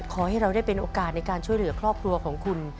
ขอให้เราได้เป็นโอกาสในการช่วยเหลือครอบครัวของคุณ